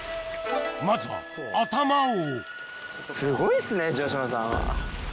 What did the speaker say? まずはすごいっすね城島さん。